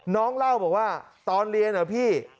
น้องเล่าบอกว่าตอนเรียนเหรอพี่